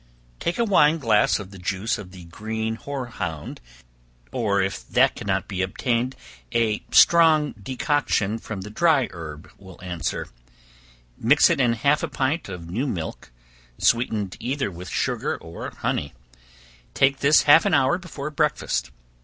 Take a wine glass of the juice of the green hoarhound, or if that cannot be obtained, a strong decoction from the dry herb will answer; mix it in half a pint of new milk, sweetened either with sugar or honey; take this half an hour before breakfast.